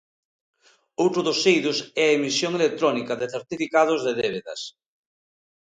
Outro dos eidos é a emisión electrónica de certificados de débedas.